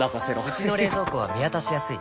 うちの冷蔵庫は見渡しやすい